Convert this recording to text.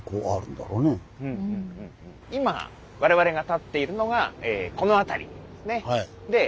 今我々が立っているのがこの辺りですね。